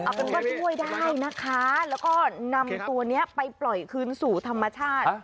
เอาเป็นว่าช่วยได้นะคะแล้วก็นำตัวนี้ไปปล่อยคืนสู่ธรรมชาติ